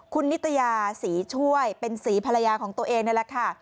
คุณนิตยาศรีช่วยเป็นศรีภรรยาของตัวเองนี่แหละค่ะ